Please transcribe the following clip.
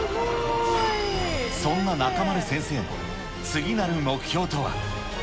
そんな中丸先生の次なる目標とは。